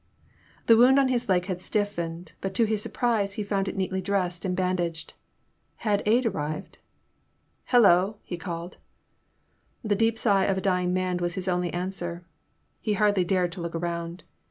The wound on his leg had stiffened, but to his surprise he found it neatly dressed and bandaged. Had aid arrived ?*' Hello! ''he called. The deep sigh of a dying man was his only an swer. He hardly dared to look around.